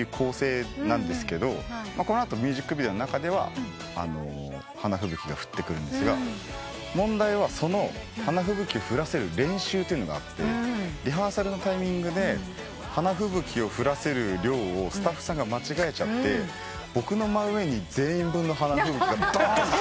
この後ミュージックビデオの中では花吹雪が降ってくるんですが問題はその花吹雪降らせる練習ってあってリハーサルのタイミングで花吹雪を降らせる量をスタッフさんが間違えちゃって僕の真上に全員分の花吹雪がどーんときた。